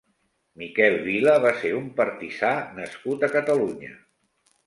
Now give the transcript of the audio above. Miquel Vila va ser un partisà nascut a Catalunya.